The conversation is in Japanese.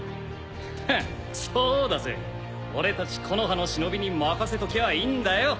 ヘッそうだぜ俺たち木ノ葉の忍に任せときゃいいんだよ。